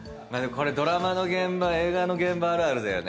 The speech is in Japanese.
これドラマの現場映画の現場あるあるだよね。